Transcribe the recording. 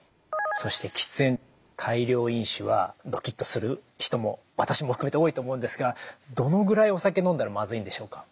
そして喫煙大量飲酒はドキッとする人も私も含めて多いと思うんですがどのぐらいお酒飲んだらまずいんでしょうか？